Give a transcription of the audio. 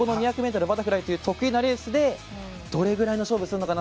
２００ｍバタフライという得意なレースでどれぐらいの勝負をするのか。